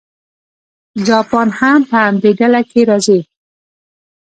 جاپان هم په همدې ډله کې راځي.